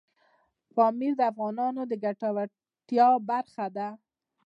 پامیر د افغانانو د ګټورتیا برخه ده.